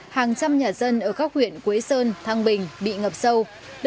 hàng trăm nhà dân ở khắp huyện quế sơn thăng bình bị ngập sâu